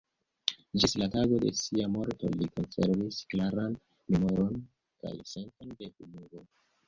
Ĝis la tago de sia morto li konservis klaran memoron kaj senton de humuro.